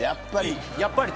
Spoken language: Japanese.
やっぱり。